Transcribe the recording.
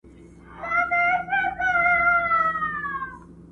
تخت که هر څونه وي لوی نه تقسیمیږي؛